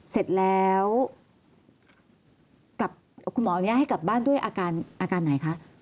เสร็จแล้วคุณหมออนุญาตให้กลับบ้านด้วยอาการไหนคะ